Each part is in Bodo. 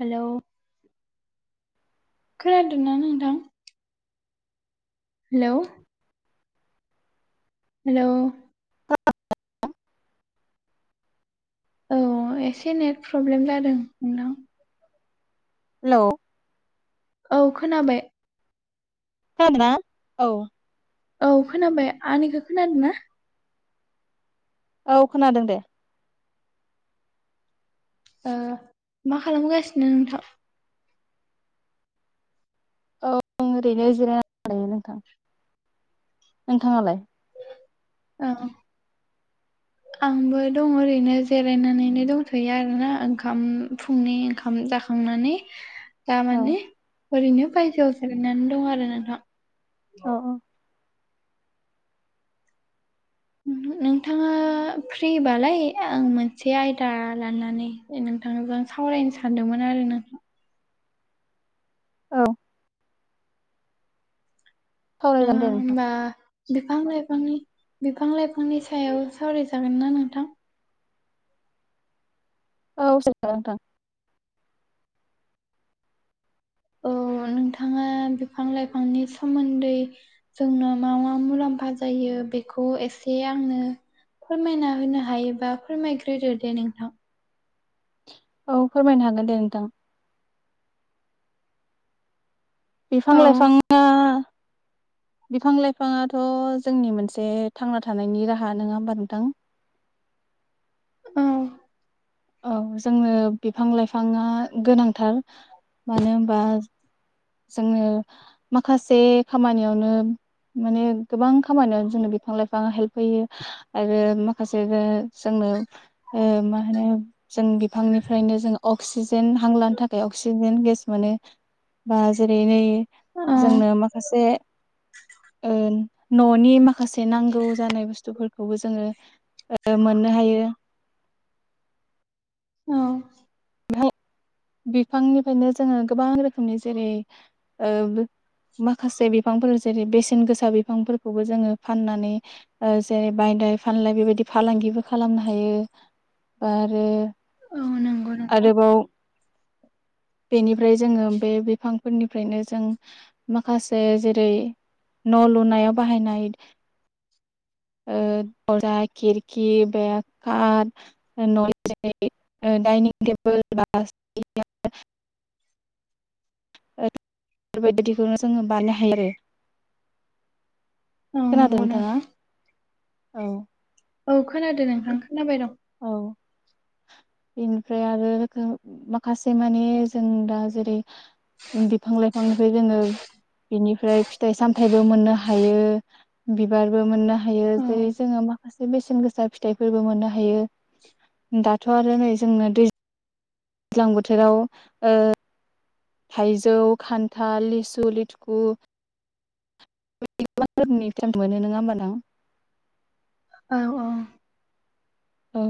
हेलौ खोनादोंना नोंथां हेलौ [inaudible] हेलौ [unintelligible] औ एसे नेट प्रब्लेम जादों नोंनाव हेलौ औ खोनाबाय खोनादोंना औ औ खोनाबाय आंनिखौ खोनादों ना औ खोनादों दे मा खालामगासिनो नोंथां औ आं ओरैनो जिरायनानै दंथ'यो नोंथां नोंथाङालाय औ आंबो दं ओरैनो जिरायनानैनो दंथ'यो आरोना ओंखाम फुंनि ओंखाम जाखां जाखांनानै औ दामाने ओरैनो बायजोआव जिरायनानै दं आरो नोंथां अ अ नोंथाङा फ्रिबालाय आं मोनसे आयदा लानानै ए नोंथांजों सावरायनो सानदोंमोन आरो नोंथां औ आ सावरायजागोन दे नोंथां। होमबा बिफां लाइफांनि बिफां लाइफांनि सायाव सावरायजागोन ना नोंथां औ जायो नोंथां औ नोंथाङा बिफां लाइफांनि सोमोन्दै जोंनो मा मा मुलाम्फा जायो बेखौ एसे आंनो फोरमायना होनो हायोबा फोरमायग्रोदो दे नोंथां औ फोरमायनो हागोन दे नोंथां बिफां औ लाइफाङा [inaudible] बिफां लाइफाङाथ' जोंनि मोनसे थांना थानायनि राहा नङा होमबा नोंथां औ औ जोंनो बिफां लाइफाङा गोनांथार मानो होनबा जोंनो माखासे खामानियावनो माने गोबां खामानियाव जोंनो बिफां लाइफाङा हेल्प होयो आरो माखासे जोंनो मा होनो जों बिफांनिफ्रायनो जों अक्सिजेन हांलानो थाखाय अक्सिजेन गेस मोनो बा जेरै नै औ जोंनो माखासे न'नि माखासे नांगौ जानाय बुस्थुफोरखौबो जोङो मोननो हायो औ बिफां बिफांनिफ्रायनो जोङो गोबां रोखोमनि जेरै माखासे बिफांफोर जेरै बेसेन गोसा बिफांफोरखौबो जोङो फाननानै जेरै बायलाय फानलाय बेबायदि फालांगिबो खालामनो हायो आरो औ नंगौ नोंथां आरोबाव बेनिफ्राय जोङो बे बिफांफोरनिफ्रायनो जों माखासे जेरै न' लुनायाव बाहायनाय दरा खिरखि बेखार [unintelligible] डाइनिं टेबोल बा बेफोरबायदिखौ जोङो बानाय हायो आरो औ खोनादों नंगौ नोंथाङा नोंथां औ औ खोनादों नोंथां खोनाबाय दं अ बेनिफ्राय आरो रोखोम माखासे मानि जों दा जेरै बिफां लाइफांनिफ्राय जोङो बिनिफ्राय फिथाइ सामथाइबो मोननो हायो बिबारबो मोननो हायो औ जेरै जोङो माखासे बेसेन गोसा फिथाइफोरबो मोननो हायो दाथ' आरो नै जोंना दै ज्लां बोथोराव ओ थाइजौ खान्थाल लिसु लिथुखु [unintelligible] मोनो नोङा होमबा नों औ औ औ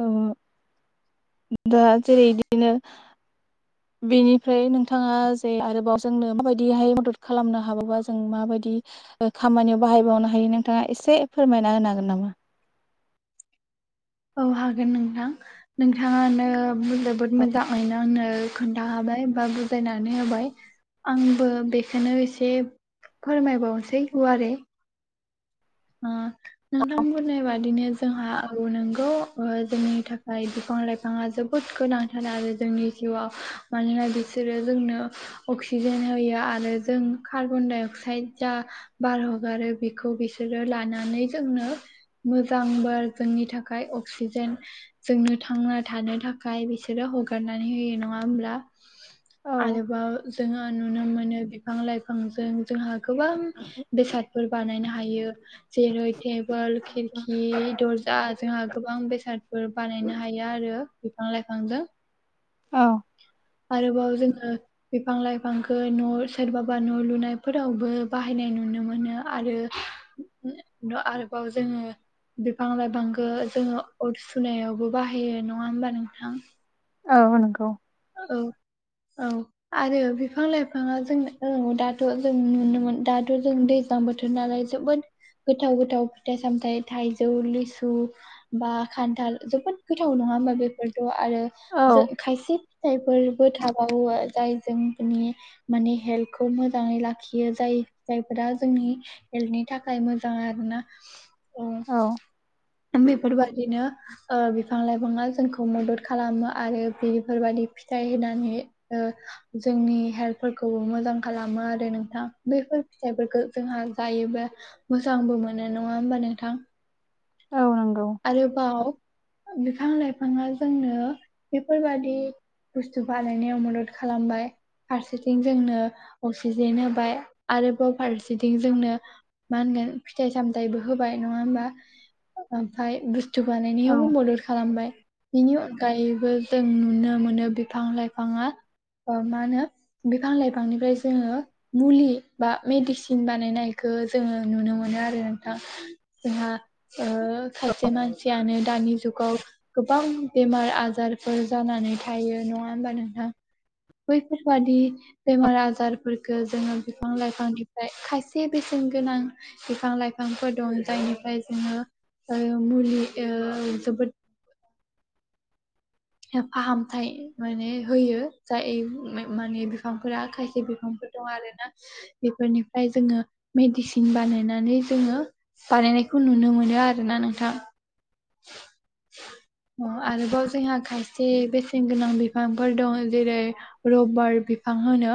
औ दा जेरै इदिनो बेनिफ्राय नोंथाङा जे आरोबाव जोंनो माबायदिहाय मदद खालामनो हाबावो जों माबायदि ओ खामानियाव बाहायबावनो हायो नोंथाङा एसे फोरमायना होनो हागोन नामा औ हागोन नोंथां नोंथाङानो जोबोद मोजाङैनो आंनो खोन्था हाबाय बा बुजायनानै होबाय आंबो बेखौनो एसे फोरमायबावसै गुवारै नङा नोंथांं बुंनायबाादनो जोंहा औ नोंगौ ओ जोंनि थाखाय बिफां लाइफाङा जोबोद गोनांथार आरो जोंनि जिउआव मानोना बिसोरो जोंनो अक्सिजेन होयो आरो जों कार्बन डाइ अक्साइड जा बारहगारो बेखौ बिसोर बिसोरो लानानै जोंनो मोजां बार जोंनि थाखाय अक्सिजेन जोंनो थांना थानो थाखाय बिसोरो हगारनानै होयो नङा होमब्ला औ आरोबाव जोङो नुनो मोनो बिफां लाइफांजों जोंहा गोबां बेसादफोर बानायनो हायो जेरै टेबोल खिरखि दर्जा जोंहा गोबां बेसाद फोर बानायनो हायो आरो बिफां लाइफांजों औ आरोबाव जोङो बिफां लाइफांखौ न' सोरबाबा न' लुनायफोरावबो बाहायनाय नुनो मोनो आरो आरोबाव जोङो बिफां लाइफांखो जोङो अर सुनायावबो बाहायो नङा होमबा नोंथां औ नंगौ औ औ आरो बिफां लाइफाङा जों औ दाथ' जों नुनो‌ मोन दाथ' जों दै गोजां बोथोर नालाय जोबोद गोथाव गोथाव फिथाइ सामथाइ थाइजौ लिसु बा खान्थाल जोबोद गोथाव नङा होनबा बेफोरखौ आरो औ खायसे जायफोरबो थाबावो जाय जोंनि माने हेल्थखौ मोजाङै लाखियो जाय जायफोरा जोंनि हेल्थनि थाखाय मोजां आरोना औ बेफोरबादिनो ओ बिफां लाइफाङा जोंखौ मदद खालामो आरो बेफोरबायदि फिथाइ होनानै ओ जोंनि हेल्थफोरखौबो मोजां खालामो आरो नोंथां बेैफोर फिथाइफोरखौ जोंहा जायोब्ला मोजांबो मोनो नङा होमबा नोंथां औ नंगौ आरोबाव बिफां लाइफाङा जोंनो बेफोरबादि बुस्थु बानायनायाव मदद खालामबाय फारसेथिं जोंनो अक्सिजेन होबाय आरोबाव फारसेथिं जोंनो मा होनगोन फिथाइ सामथायाइबो होबाय नङा होमबा? ओमाय बुस्थु औ बानायनायावबो मदद खालामबाय बेनि अनगायै गायबो जों नुनो मोनो बिफां लाइफाङा मा होनो बिफां लाइफांनिफ्राय जोङो मुलि बा मेडिसिन बानायनायखौ जोङो नुनो मोनो आरो नोंथां। जोंहा सासे मानसियानो दानि जुगाव गोबां बेमार आजारफोर जानानै थायो नङा होमबा नोंथां। बैफोरबायदि बेमार आजारफोरखौ जोङो बिफां लाइफांनिफ्राय खायसे बेसेन गोनां बिफां लाइफांफोर दं जायनिफ्राय जोङो मुलि जोबोद फाहामथाय माने होयो जाय माने बिफांफोरा खायसे बिफांफोर दं आरो ना। बेफोरनिफ्राय जोङो मेडिसिन बानायनानै जोङो बानायनायखौ नुनो मोनो आरोना नोंथां। [inaudible] आरोबाव जोंहा खायसे बेसेन गोनां बिफांफोर दङ। जेरै रबार बिफां होनो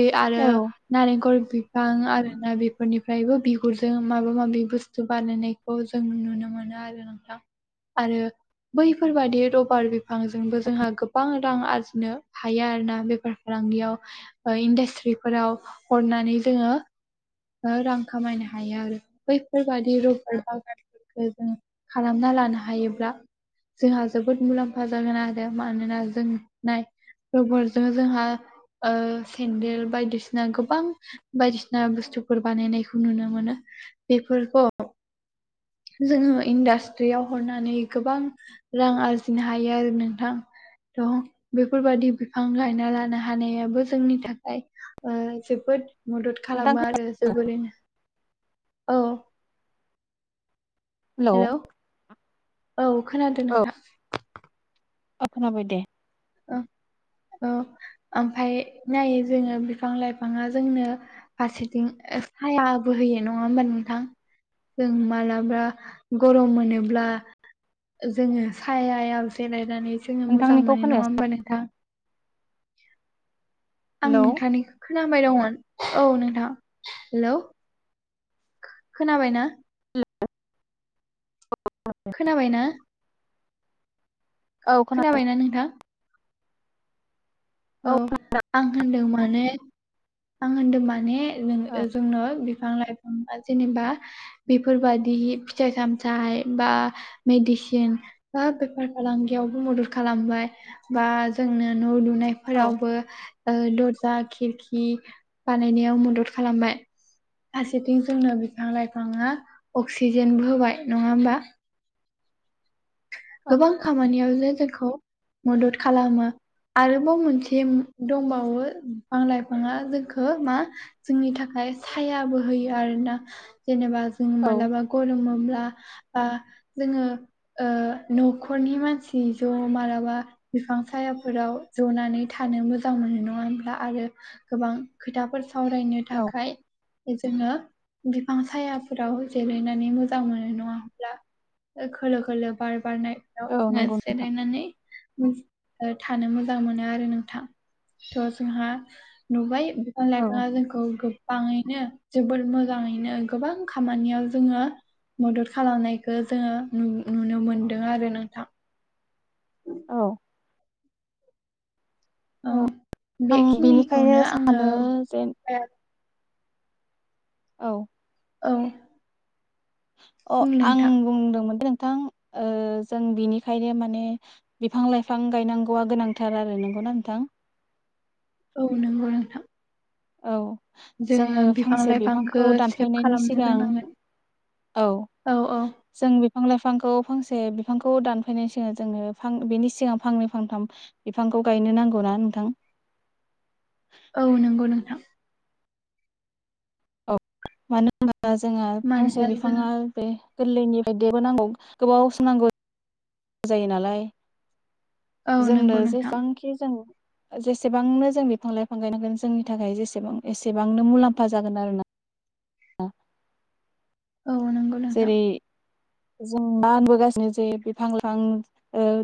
बे आरो औ नारेंखल बिफां आरो ना फोरनिफ्रायबो बिगुरजों माबा माबि बुस्थु बानायनायखौ जों नुनो मोनो आरो। आरो बैफोरबादि रबार बिफांजोंबो जोंहा गोबां रां आरजिनो हायो आरोना बेफार फालांगियाव इन्डास्ट्रिफोराव हरनानै जोङो रां खामायनो हायो आरो बैफोरबादि रबर बिफां जों खालामना लानो हायोब्ला जोंहा जोबोद मुलाम्फा जागोन आरो मानोना जों नाय गोबोरजों जोंहा सेन्देल बायदिसिना गोबां बायदिसिना बुस्थु फोर बानायनायखौ नुनो मोनो। बेफोरखौ जोङो इन्डास्ट्रियाव हरनानै गोबां रां आरजिनो हायो आरो नोंथां। थ' बेफोरबादि बिफां गायना लानो हानायाबो जोंनि थाखाय। जोबोद मदद नोंथां खालामो खोना आरो जोबोरैनो [inaudible] औ हेलौ औ खोनादों नोंथां। खोनाबाय दे औ ओमफाय नायो जोङो बिफां लाइफाङा जोंनो फारसेथिं सायाबो होयो नङा होमबा नोंथां? जों मालाबा गरम मोनोब्ला जोङो सायायाव जिरायनानै जोङो मोजां नोंथांनिखौ मोनो नङा खोनायासै होमबा नोंथां? आं हेलौ नोंथांनि खोनाबाय दंमोन औ नोंथां हेलौ खोनाबाय ना? अ खोनाबाय ना? औ खोनादों खोनाबायना नोंथां? औ आं होनदों माने आं होनदों मानेों औ जोंनो बिफां लाइफांआ जेनेबा बेफोरबादि फिथाइ सामथाइ बा मेडिसिन बा बेफार फालांगियावबो मदद खालामबाय बा जोंनो न' औ लुनायफोरावबो ओ दर्जा खिरखि खि बानायनायाव मदद खालामबाय फारसेथिं जोंनो बिफां लाइफाङा अक्सिजेनबो होबाय नङा होमबा गोबां खामानियावनो जोंखौ मदद खालामो आरोबाव मोनसे दंबावो बिफां लाइफाङा जोंखौ मा जोंनि थाखाय सायाबो होयो आरोना जेनेबा जों औ मालाबा गरमोब्ला बा जोङो ओ न'खरनि मानसि ज' मालाबा बिफां सायाफोराव जनानै थानो मोजां मोनो नङा होमब्ला आरो गोबां खोथाफोर सावरायनो औ थाखाय जोङो बिफां सायाफोराव जिरायनानै मोजां मोनो नङा होमब्ला खोलो खोलो बार बारनायाव औ जोङो नंगौ जिरायनानै थानो मोजां मोनो आरो नोंथां थ' जोंहा नुबाय बिफां औ लाइफाङा जोंखौ गोबाङैनो जोबोद मोजाङैनो गोबां खामानियाव जोङो मदद खालामनायखौ जोङो नुनो मोनदों आरो नोंथां औ औ आं बेनिखायनो बेखिनिखौनो आङो सानो जे औ औ अ बुं आं नोंथां बुंदोंमोन नोंथां ओ जों बिनिखायनो माने बिफां लाइफां गायनांगौआ गोनांथार आरो नंगौना नोंथां औ नंगौ नोंथां औ जोङो बिफां फांसे बिफांखौ लाइफांखौ सेभ दानफायनायनि खालामनो सिगां रोंनांगोन औ औ औ जों बिफां लाइफांखौ फांसे बिफांखौ दानफैनायनि सिगां जोंनो फां बेनि सिगां फांनै फांथाम बिफांखौ गायनो नांगौना नोंथां औ नंगौ नोंथां मानो होनबा जोंहा फांसे मानोना जों बिफाङा बे गोरलैनिफ्राय देबोनांगौ गोबाव सो नांगौ जायो नालाय औ जोंनो नंगौ नोंथां जेसेबांखि जों जेसेबांनो जों बिफां लाइफां गायनांगोन जोंनि थाखाय जेसेबां एसेबांनो मुलाम्फा जागोन आरो ना औ औ नोंगौ जेरै जों मा होनबोगासिनो जे बिफां लाइफां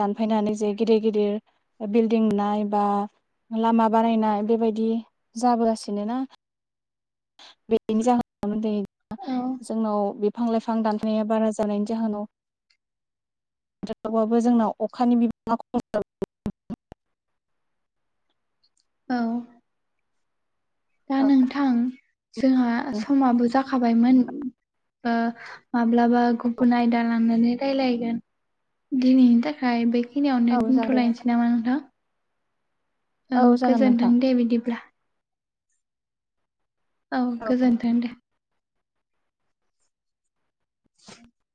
दानफायनानै जे गिदिर गिदिर बिल्डिं लुनाय बा लामा बानायनाय बेबायाददि जाबोगासिनो ना बेनि जाहोनाव औ जोंनाव बिफां लाइफां दानफनाया बारा जानायनि जाहोनाव वबाबो जोंनाव अखानि बिबाङा ख औ दा खम नोंथां जोंहा समाबो जाख खाबायमोन ओ माब्लाबा गुबुन आयदा लांनानै रायलायगोन दिनैनि थाखाय बेखिनियावनो औ जागोन दोनथ'लायनोसै नामा नोंथां औ जागोन गोजोन्थों नोंथां दे बिदिब्ला औ गोजोनथों दे [inaudible]